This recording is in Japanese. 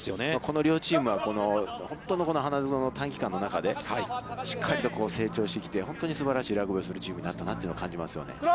この両チームは本当の花園の短期間の中でしっかりと成長してきて、本当にすばらしいラグビーをするチームになったなというのを感じますね。